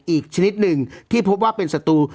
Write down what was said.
อีกชนิดหนึ่งที่พบว่าเป็นสตู